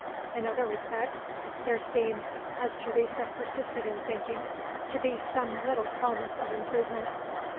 In other respects, there seemed (as Teresa persisted in thinking) to be some little promise of improvement.